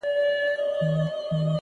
• زه د رباب زه د شهباز په ژبه نظم لیکم ,